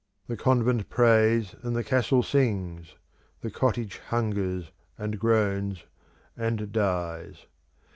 The convent prays, and the castle sings: the cottage hungers, and groans, and dies.